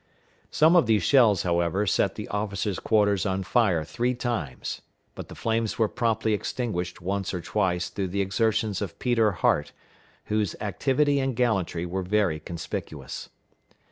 Some of these shells, however, set the officers' quarters on fire three times; but the flames were promptly extinguished once or twice through the exertions of Peter Hart, whose activity and gallantry were very conspicuous.